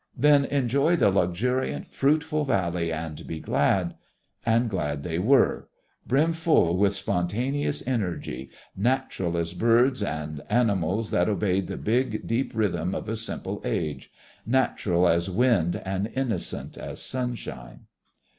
Then, enjoy the luxuriant, fruitful valley and be glad! And glad they were, brimful with spontaneous energy, natural as birds and animals that obeyed the big, deep rhythm of a simpler age natural as wind and innocent as sunshine.